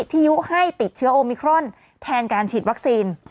ยุให้ติดเชื้อโอมิครอนแทนการฉีดวัคซีน